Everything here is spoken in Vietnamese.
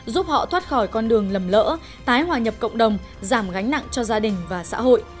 giúp họ thoát khỏi con đường lầm lỡ tái hòa nhập cộng đồng giảm gánh nặng cho gia đình và xã hội